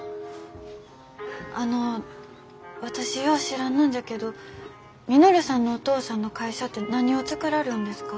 あの私よう知らんのんじゃけど稔さんのお父さんの会社て何を作らりょんですか？